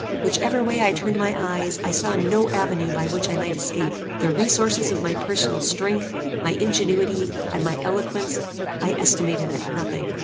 Whichever way I turned my eyes, I saw no avenue by which I might escape. The resources of my personal strength, my ingenuity, and my eloquence, I estimated at nothing.